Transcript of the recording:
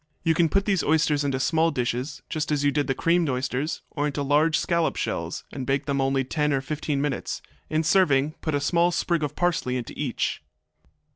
You can put these oysters into small dishes, just as you did the creamed oysters, or into large scallop shells, and bake them only ten or fifteen minutes. In serving, put a small sprig of parsley into each.